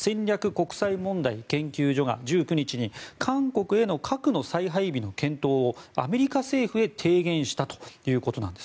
国際問題研究所が１９日に韓国への核の再配備の検討をアメリカ政府へ提言したということなんです。